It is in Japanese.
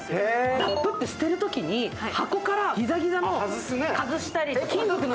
ラップって捨てるときに箱からギザギザのを外したり金属の。